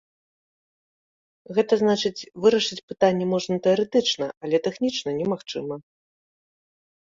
Гэта значыць, вырашыць пытанне можна тэарэтычна, але тэхнічна немагчыма.